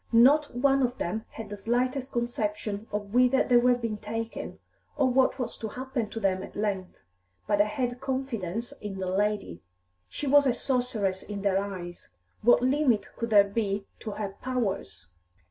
Not one of them had the slightest conception of whither they were being taken, or what was to happen to them at length. But they had confidence in "the lady." She was a sorceress in their eyes; what limit could there be to her powers?